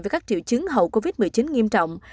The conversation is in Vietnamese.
với các triệu chứng hậu covid một mươi chín nghiêm trọng